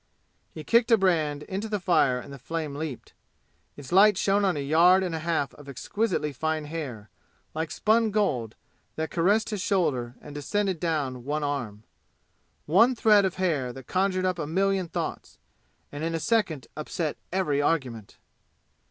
He kicked a brand into the fire and the flame leaped. Its light shone on a yard and a half of exquisitely fine hair, like spun gold, that caressed his shoulder and descended down one arm. One thread of hair that conjured up a million thoughts, and in a second upset every argument!